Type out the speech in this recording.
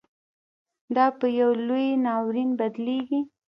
دا پـه يـو لـوى نـاوريـن بـدليږي.